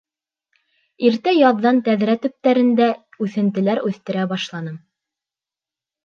Иртә яҙҙан тәҙрә төптәрендә үҫентеләр үҫтерә башланым.